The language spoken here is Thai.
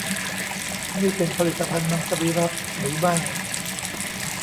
นี่เป็นผลิตภัณฑ์มังสวิรัติหรือไม่ ?